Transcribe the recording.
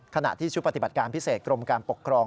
ขณะที่ชุดปฏิบัติการพิเศษกรมการปกครอง